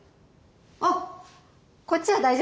あっこっちは大丈夫です。